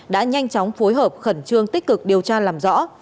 đã nhanh chóng phối hợp khẩn trương tích cực điều tra làm rõ